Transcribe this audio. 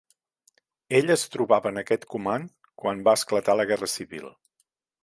Ell es trobava en aquest comand quan va esclatar la guerra civil.